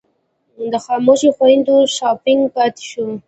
د خاموشو خویندو شاپنګ پاتې شو.